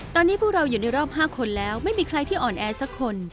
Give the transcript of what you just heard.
ตอนนี้พวกเราอยู่ในรอบ๕คนแล้วไม่มีใครที่อ่อนแอสักคน